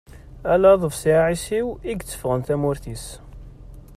Ala aḍebsi aɛisiw, i yetteffɣen tamurt-is.